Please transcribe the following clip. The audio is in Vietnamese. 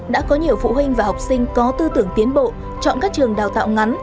đã có nhiều phụ huynh và học sinh có tư tưởng tiến bộ chọn các trường đào tạo ngắn